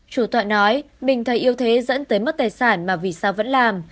chủ tọa nói mình thấy yêu thế dẫn tới mất tài sản mà vì sao vẫn làm